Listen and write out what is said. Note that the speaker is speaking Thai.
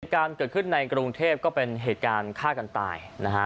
เหตุการณ์เห็นในกรุ่งเทพฯก็คือเหตุการณ์ข้าวกันตาย